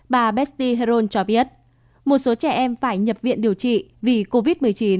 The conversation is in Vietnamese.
bà bestie heron cho biết một số trẻ em phải nhập viện điều trị vì covid một mươi chín